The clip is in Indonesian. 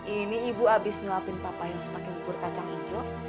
ini ibu abis nyuapin papa yang sepake bubur kacang ijo